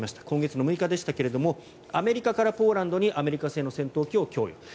今月の６日でしたがアメリカからポーランドにアメリカ製の戦闘機を供与。